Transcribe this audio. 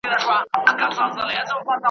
د خلګو د مکاریو څخه